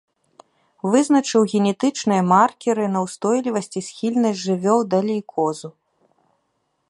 Вызначыў генетычныя маркеры на ўстойлівасць і схільнасць жывёл да лейкозу.